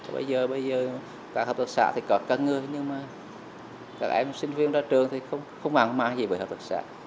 bây giờ các hợp tác xã thì còn cân ngư nhưng mà các em sinh viên ra trường thì không mang mái gì về hợp tác xã